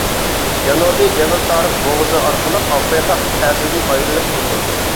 جەنۇبىي جەبىلتارىق بوغۇزى ئارقىلىق ئافرىقا قىتئەسىدىن ئايرىلىپ تۇرىدۇ.